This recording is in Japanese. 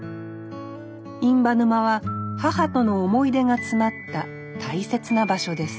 印旛沼は母との思い出が詰まった大切な場所です